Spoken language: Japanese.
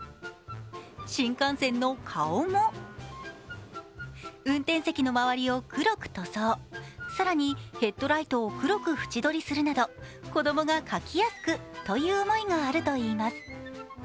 新幹線の顔も、運転席の周りを黒く塗装、更にヘッドライトを黒く縁取りするなど子供が描きやすくという思いがあるといいます。